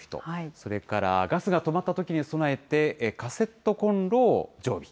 それからガスが止まったときに備えて、カセットこんろを常備。